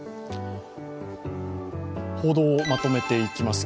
報道をまとめていきます。